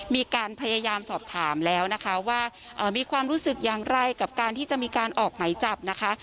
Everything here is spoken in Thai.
มีการพยายามสอบถามแล้วนะคะว่ามีความรู้สึกอย่างไรกับการที่จะมีการออกไหมจับนะคะ